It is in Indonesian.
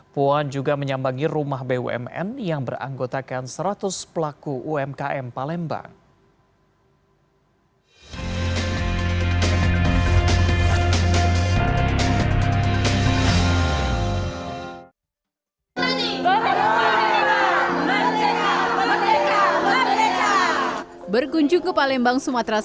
puan juga menyambangi rumah bumn yang beranggotakan seratus pelaku umkm palembang